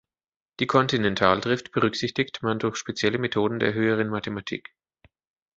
Die Kontinentaldrift berücksichtigt man durch spezielle Methoden der Höheren Mathematik.